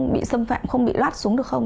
bị xâm phạm không bị loát xuống được không